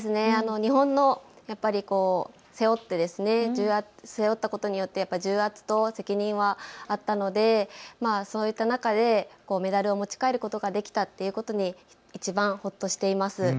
日本の、やっぱり背負って、背負ったことによって重圧と責任はあったのでそういった中でメダルを持ち帰ることができたっていうことにいちばんほっとしています。